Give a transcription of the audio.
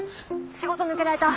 仕事抜けられた。